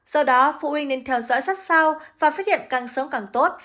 do đó phụ huynh nên theo dõi sát sao và phát hiện càng sớm càng tốt